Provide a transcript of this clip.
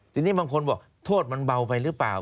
ทีนี้บางคนบอกโทษมันเบาไปหรือเปล่า